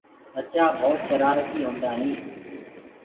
ٻچآ ڀوت شرآرتي هوندآ هينٚ۔